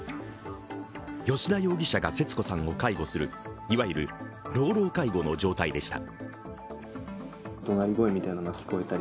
吉田容疑者が節子さんを介護するいわゆる老老介護の状態でした。